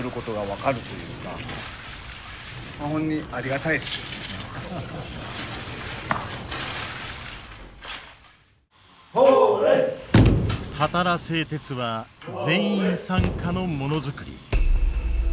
たたら製鉄は全員参加のものづくり。